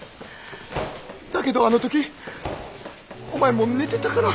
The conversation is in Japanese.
だけどあの時お前もう寝てたから。